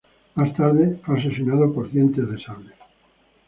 Más tarde fue asesinado por Dientes de Sable.